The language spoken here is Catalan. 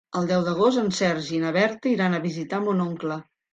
El deu d'agost en Sergi i na Berta iran a visitar mon oncle.